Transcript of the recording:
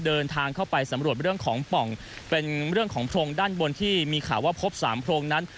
เดินทางเข้าไปสำรวจเรื่องของป่องเป็นเรื่องของโพรงด้านบนที่มีข่าวว่าพบสามโพรงนั้น